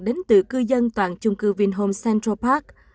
đến từ cư dân toàn trung cư vinhome central park